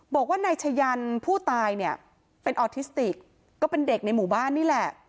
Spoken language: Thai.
บอกว่านายชะยันผู้ตายเนี่ยเป็นออทิสติกก็เป็นเด็กในหมู่บ้านนี่แหละ